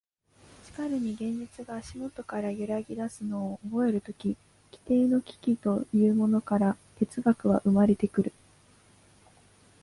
しかるに現実が足下から揺ぎ出すのを覚えるとき、基底の危機というものから哲学は生まれてくる。